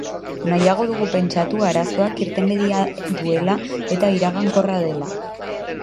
Nahiago dugu pentsatu arazoak irtenbidea duela eta iragankorra dela.